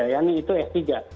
ya ini itu s tiga